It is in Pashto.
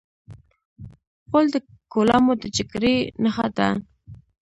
غول د کولمو د جګړې نښه ده.